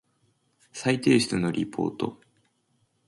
再提出のリポート